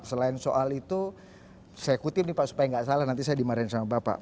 selain soal itu saya ikuti ini pak supaya enggak salah nanti saya dimarahiin sama bapak